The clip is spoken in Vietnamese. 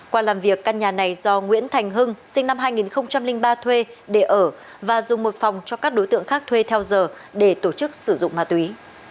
qua làm việc căn nhà này do nguyễn thành hưng sinh năm hai nghìn ba thuê để ở và dùng một phòng cho các đối tượng khác thuê theo giờ để tổ chức sử dụng ma túy